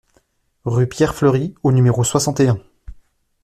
Rue Pierre Fleury au numéro soixante et un